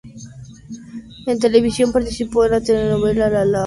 En televisión participó en la telenovela "Lalola".